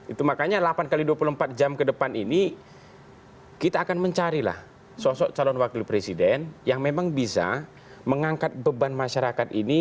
itu makanya delapan x dua puluh empat jam ke depan ini kita akan mencarilah sosok calon wakil presiden yang memang bisa mengangkat beban masyarakat ini